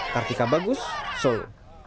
kartika bagus seoul